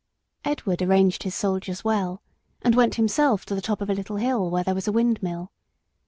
Edward arranged his soldiers well, and went himself to the top of a little hill where there was a windmill.